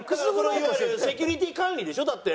いわゆるセキュリティー管理でしょ？だって。